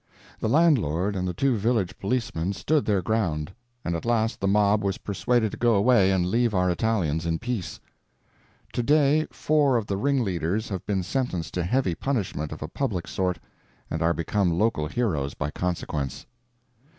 The landlord and the two village policemen stood their ground, and at last the mob was persuaded to go away and leave our Italians in peace. Today four of the ringleaders have been sentenced to heavy punishment of a public sort—and are become local heroes, by consequence.